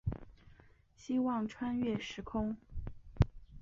希望穿越时空